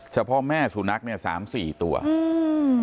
เฉพาะแม่สุนัขเนี้ยสามสี่ตัวอืม